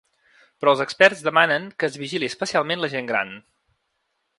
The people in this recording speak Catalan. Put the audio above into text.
Però els experts demanen que es vigili especialment la gent gran.